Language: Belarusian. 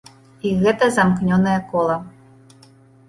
І гэта замкнёнае кола.